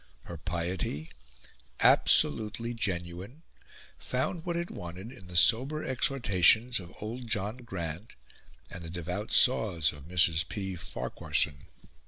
Her piety, absolutely genuine, found what it wanted in the sober exhortations of old John Grant and the devout saws of Mrs. P. Farquharson.